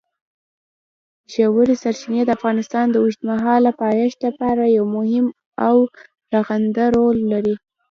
ژورې سرچینې د افغانستان د اوږدمهاله پایښت لپاره یو مهم او رغنده رول لري.